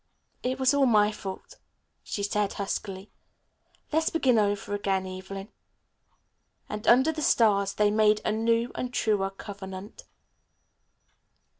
"It was all my fault," she said huskily. "Let's begin over again, Evelyn." And under the stars they made a new and truer covenant.